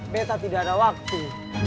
beta tidak ada waktu